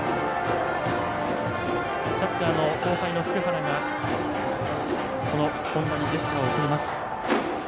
キャッチャーの後輩の福原が本田にジェスチャーを送ります。